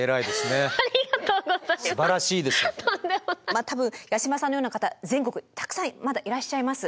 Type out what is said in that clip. まあ多分八嶋さんのような方全国たくさんまだいらっしゃいます。